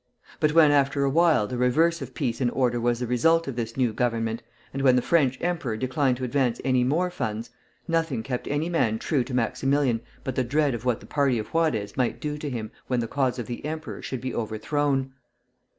But when, after a while, the reverse of peace and order was the result of this new government, and when the French emperor declined to advance any more funds, nothing kept any man true to Maximilian but the dread of what the party of Juarez might do to him when the cause of the emperor should be overthrown.